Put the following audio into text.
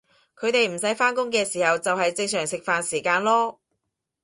佢哋唔使返工嘅时候就係正常食飯時間囉